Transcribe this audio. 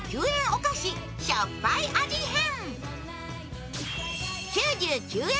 お菓子、しょっぱい味変。